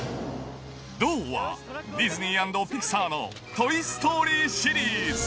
銅はディズニーアンドピクサーの、トイ・ストーリーシリーズ。